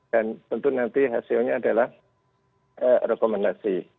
dan tentu nanti hasilnya adalah rekomendasi